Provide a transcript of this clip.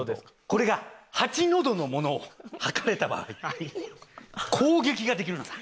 これが８のどのものを測れた場合攻撃ができるのだ。